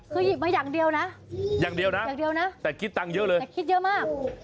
นี่หยิบมาอย่างเดียวนะอย่างเดียวนะแต่คิดตังค์เยอะเลยแต่คิดเยอะมาก